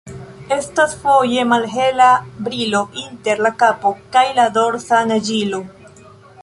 Estas foje malhela brilo inter la kapo kaj la dorsa naĝilo.